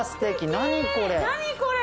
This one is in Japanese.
何これ！